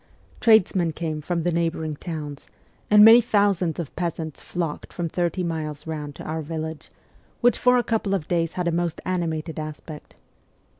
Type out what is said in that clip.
Tradesmen came from the neighbouring towns, and many thousands of peasants flocked from thirty miles round to our village, which for a couple of days had a most animated aspect.